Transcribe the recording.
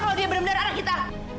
kalau dia bener bener anak kita